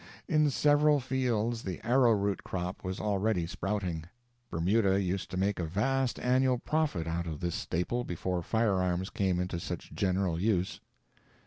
In several fields the arrowroot crop was already sprouting. Bermuda used to make a vast annual profit out of this staple before firearms came into such general use.